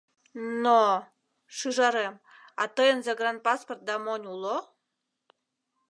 Но... шӱжарем, а тыйын загранпаспорт да монь уло?